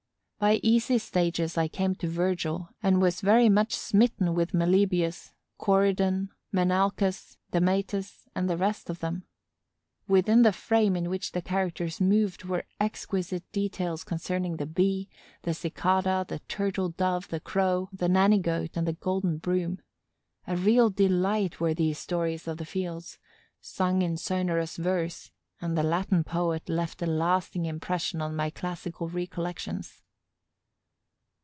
By easy stages I came to Virgil and was very much smitten with Melibœus, Corydon, Menalcas, Damœtas and the rest of them. Within the frame in which the characters moved were exquisite details concerning the Bee, the Cicada, the Turtle dove, the Crow, the Nanny goat, and the golden broom. A real delight were these stories of the fields, sung in sonorous verse; and the Latin poet left a lasting impression on my classical recollections.